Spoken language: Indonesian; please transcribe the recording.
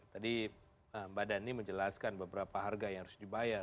tadi mbak dhani menjelaskan beberapa harga yang harus dibayar